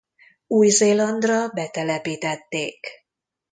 Új-Zélandra betelepítették.